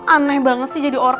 aneh banget sih jadi orang